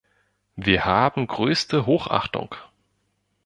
Wir haben größte Hochachtung.